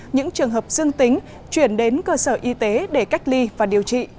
những trường hợp dương tính chuyển đến cơ sở y tế để cách ly và điều trị